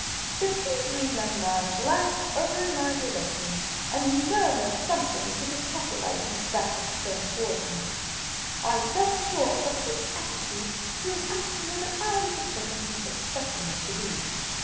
The pea green young man glanced over in my direction, and murmured something to the satellite, whose back was turned towards me. I felt sure, from his attitude, he was asking whether I was the person he suspected me to be.